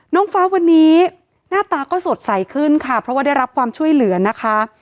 น้องฟ้าวันนี้หน้าตาก็สดใสขึ้นค่ะเพราะว่าได้รับความช่วยเหลือนะคะ